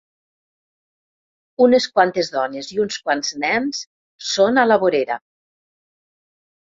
Unes quantes dones i uns quants nens són a la vorera.